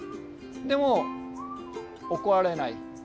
でも怒られない。